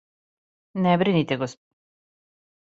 Не брините, госп.